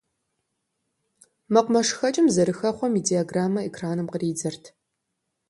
МэкъумэшхэкӀым зэрыхэхъуэм и диаграммэ экраным къридзэрт.